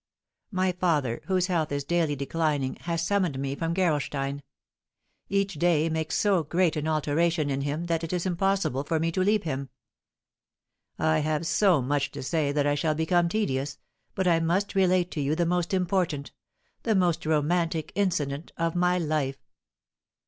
My father, whose health is daily declining, has summoned me from Gerolstein. Each day makes so great an alteration in him that it is impossible for me to leave him. I have so much to say that I shall become tedious, but I must relate to you the most important the most romantic incident of my life.